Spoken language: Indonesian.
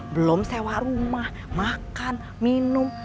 belum sewa rumah makan minum